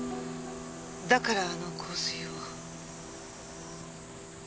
だからあの香水を。